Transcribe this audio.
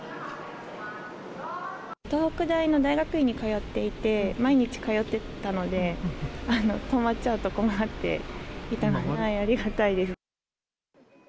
東北大の大学院に通っていて、毎日通ってたので、止まっちゃうと困っていたので、ありがたいです。